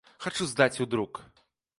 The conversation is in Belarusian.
Хачу здаць у друк.